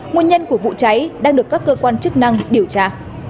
nguyên nhân của vụ cháy đang được các cơ quan chức năng điều tra